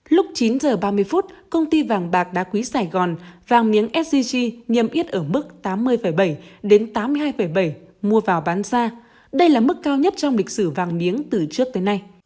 lúc chín h ba mươi công ty vàng bạc đá quý sài gòn vàng miếng scg nhầm ít ở mức tám mươi bảy tám mươi hai bảy mua vào bán ra đây là mức cao nhất trong lịch sử vàng miếng từ trước tới nay